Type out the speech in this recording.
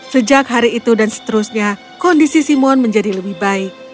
sejak hari itu dan seterusnya kondisi simon menjadi lebih baik